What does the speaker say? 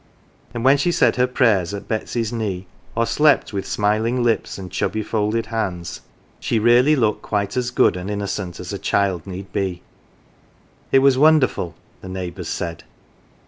And when she said her prayers at Betsy's knee, or slept with smiling lips and chubby folded hands, she really looked quite as good and innocent as a child need be. It was wonderful, the neighbours said.